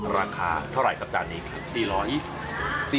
ราคาเท่าไหร่ครับจานนี้